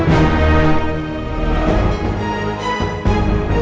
kalau tidak aku akan menunggu